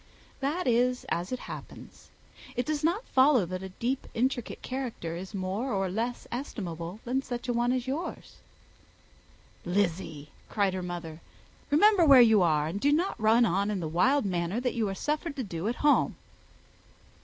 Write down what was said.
"That is as it happens. It does not necessarily follow that a deep, intricate character is more or less estimable than such a one as yours." "Lizzy," cried her mother, "remember where you are, and do not run on in the wild manner that you are suffered to do at home."